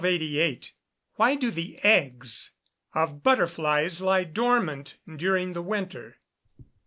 _Why do the eggs of butterflies lie dormant during the winter?